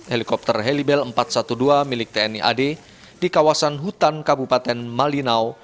helikopter helibel empat ratus dua belas milik tni ad di kawasan hutan kabupaten malinau